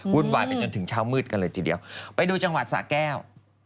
วุ่นวายไปจนถึงเช้ามืดกันเลยทีเดียวไปดูจังหวัดสะแก้ว